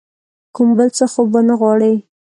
کوم بل څه خو به نه غواړې ؟